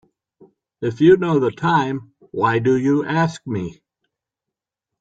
If you know the time why do you ask me?